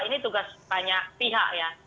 ini tugas banyak pihak ya